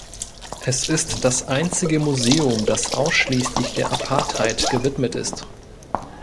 Es ist das einzige Museum, das ausschließlich der Apartheid gewidmet ist.